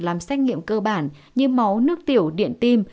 làm xét nghiệm cơ bản như máu nước tiểu điện tim